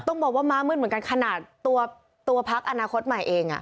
ต้องบอกว่าม้ามืดเหมือนกันขนาดตัวพักอนาคตใหม่เอง